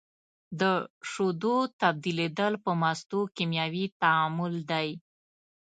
د شیدو تبدیلیدل په مستو کیمیاوي تعامل دی.